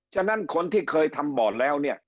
ฉะนั้นคนที่เคยทำบ่อนแล้ว